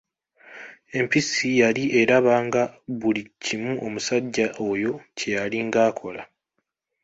Empisi yali eraba nga buli kimu omusajja oyo kyeyali ng'akola.